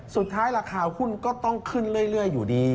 ราคาหุ้นก็ต้องขึ้นเรื่อยอยู่ดี